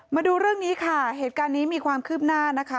มาดูเรื่องนี้ค่ะเหตุการณ์นี้มีความคืบหน้านะคะ